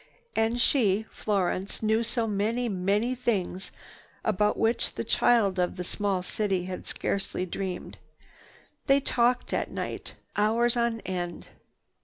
And she, Florence, knew so many, many things about which this child of a small city had scarcely dreamed. They talked at night, hours on end.